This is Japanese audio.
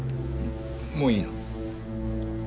もういいの？